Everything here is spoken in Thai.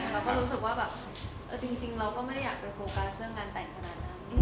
เราก็รู้สึกว่าแบบจริงเราก็ไม่ได้อยากไปโฟกัสเรื่องงานแต่งขนาดนั้น